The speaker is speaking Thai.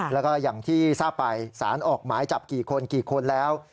แล้วก็อย่างที่ทราบไปสารออกหมายจับกี่คนกี่คนแล้ว